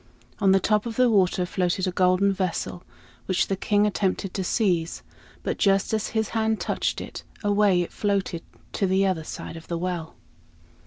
On the top of the water floated a golden vessel, which the King attempted to seize; but just as his hand touched it, away it floated to the other side of the well.